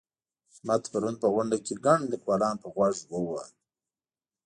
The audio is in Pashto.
احمد پرون په غونډه کې ګڼ ليکوالان په غوږ ووهل.